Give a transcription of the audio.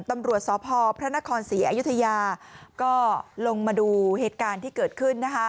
ตำรวจสพพระนครศรีอยุธยาก็ลงมาดูเหตุการณ์ที่เกิดขึ้น